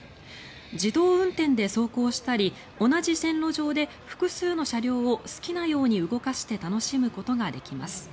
自動運転で走行したり同じ線路上で複数の車両を好きなように動かして楽しむことができます。